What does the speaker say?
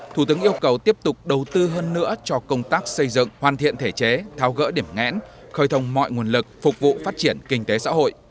thủ tướng yêu cầu tiếp tục đầu tư hơn nữa cho công tác xây dựng hoàn thiện thể chế thao gỡ điểm ngẽn khởi thông mọi nguồn lực phục vụ phát triển kinh tế xã hội